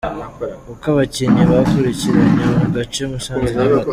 Uko abakinnyi bakurikiranye mu gace Musanze-Nyamata